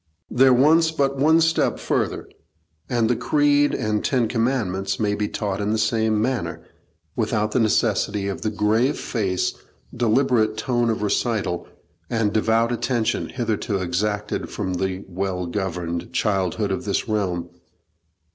There wants but one step further, and the Creed and Ten Commandments may be taught in the same manner, without the necessity of the grave face, deliberate tone of recital, and devout attention, hitherto exacted from the well governed childhood of this realm.